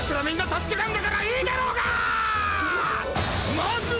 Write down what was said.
みんな助けたんだからいいだろうがー！！